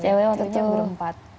cewek waktu itu berempat